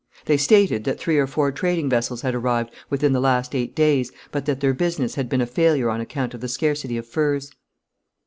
They stated that three or four trading vessels had arrived within the last eight days, but that their business had been a failure on account of the scarcity of furs.